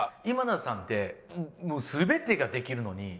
今田さんって全てができるのに。